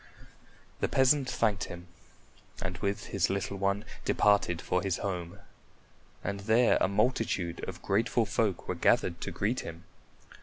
The peasant thanked him and with his little one departed for his home, and there a multitude of grateful folk were gathered to greet him.